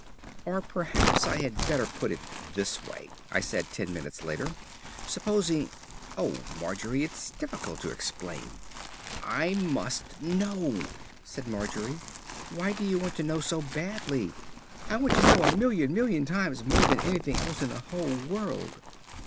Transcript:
"Or perhaps I had better put it this way," I said ten minutes later. "Supposing Oh, Margery, it is difficult to explain." "I must know," said Margery. "Why do you want to know so badly?" "I want to know a million million times more than anything else in the whole world."